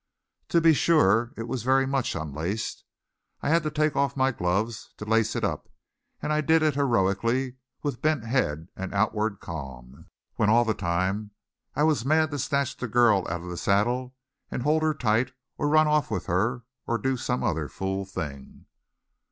To be sure, it was very much unlaced. I had to take off my gloves to lace it up, and I did it heroically, with bent head and outward calm, when all the time I was mad to snatch the girl out of the saddle and hold her tight or run off with her or do some other fool thing.